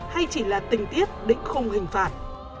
hay chỉ là tình tiết đỉnh không hình phạt